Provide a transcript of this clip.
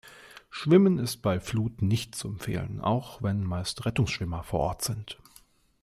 Schwimmen ist bei Flut nicht zu empfehlen, auch wenn meist Rettungsschwimmer vor Ort sind.